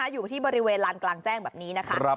อยู่ที่บริเวณลานกลางแจ้งแบบนี้นะคะ